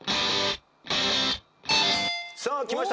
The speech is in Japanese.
さあきました